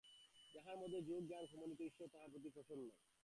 যাঁহার মধ্যে যোগ ও জ্ঞান সমন্বিত, ঈশ্বর তাঁহার প্রতি প্রসন্ন।